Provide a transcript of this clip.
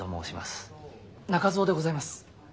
中蔵でございます。